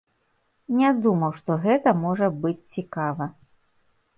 Не думаў, што гэта можа быць цікава.